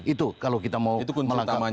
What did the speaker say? itu kalau kita mau melakukan kunci utamanya